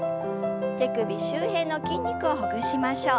手首周辺の筋肉をほぐしましょう。